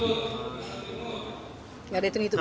nggak ada itu nih itu pak